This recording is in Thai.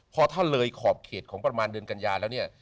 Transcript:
พอถ้าเลยขอบเขตของประมาณเดือนกัญญาแล้วเนี่ย